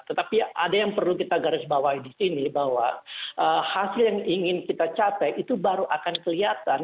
tetapi ada yang perlu kita garis bawahi di sini bahwa hasil yang ingin kita capai itu baru akan kelihatan